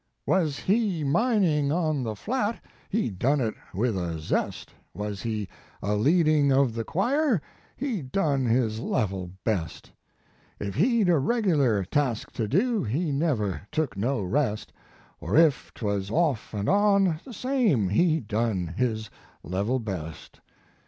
"Was he mining on the flat He done it with a zest; Was he a leading of the choir He done his level best. If he d a reg lar task to do, He never took no rest; Or if twas off and on the same He done his level best.